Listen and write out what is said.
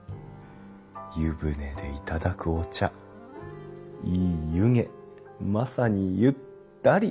湯船で頂くお茶いい湯気まさにゆ・ったり。